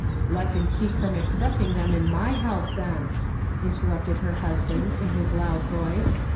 " Let him keep from expressing them in my house, then," interrupted her hu(=hand, in his loud voice.